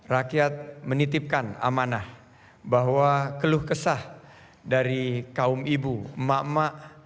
rakyat menitipkan amanah bahwa keluh kesah dari kaum ibu emak emak